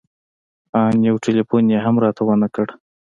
ان يو ټېلفون يې هم راته ونه کړ.